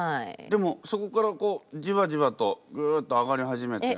でもそこからこうジワジワとグッと上がり始めて。